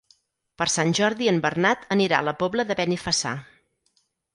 Per Sant Jordi en Bernat anirà a la Pobla de Benifassà.